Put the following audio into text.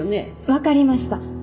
分かりました。